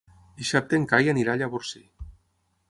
Dissabte en Cai anirà a Llavorsí.